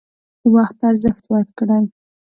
وخت ارزښت ورکړئ